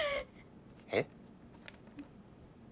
えっ？